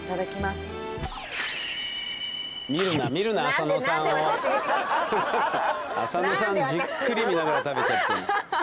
浅野さんじっくり見ながら食べちゃってる。